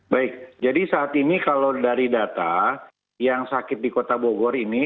baik jadi saat ini kalau dari data yang sakit di kota bogor ini